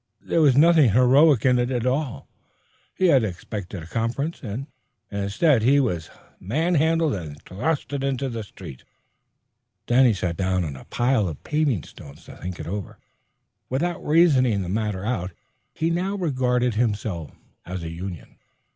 There was nothing heroic in it at all. He had expected a conference, and, instead, he was ignominiously handled and thrust into the street. Danny sat down on a pile of paving stones to think it over. Without reasoning the matter out, he now regarded himself as a union.